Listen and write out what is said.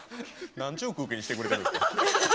なんちゅう空気にしてくれたんですか。